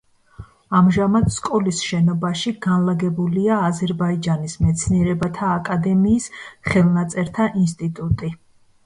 ამჟამად, სკოლის შენობაში განლაგებულია აზერბაიჯანის მეცნიერებათა აკადემიის ხელნაწერთა ინსტიტუტი.